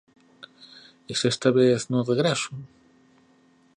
E se esta vez non regreso?